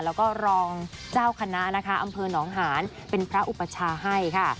แล้วก็รองเจ้าคณะนะคะอำเภอหนองหานเป็นพระอุปชาให้ค่ะ